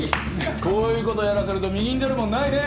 こういうことやらせると右に出るもんないね。